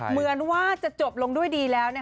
เหมือนว่าจะจบลงด้วยดีแล้ว